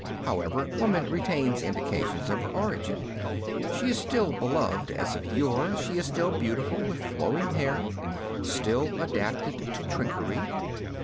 However, woman retains indications of her origin. She is still beloved as of yore ; she is still beautiful, with flowing hair ; still adapted to trinketry.